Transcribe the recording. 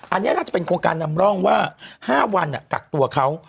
อันนี้น่าจะเป็นโครงการนำร่องว่า๕วันกักตัวเขา